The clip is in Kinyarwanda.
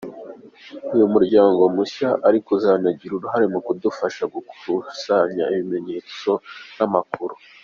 Uyu muryango mushya ariko uzanagira uruhare mu kudufasha gukusanya ibimenyetso n’amakuru .